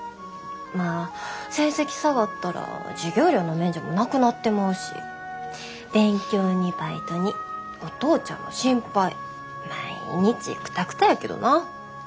まあ成績下がったら授業料の免除もなくなってまうし勉強にバイトにお父ちゃんの心配毎日クタクタやけどな。